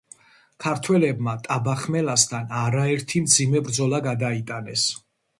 ქართველებმა ტაბახმელასთან არაერთი მძიმე ბრძოლა გადაიტანეს.